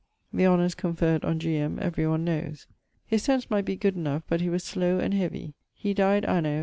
The honours conferred on G. M. every one knowes. His sence might be good enough, but he was slow, and heavie. He dyed anno